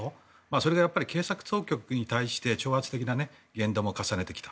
それから警察に対して挑発的な言動も重ねてきた。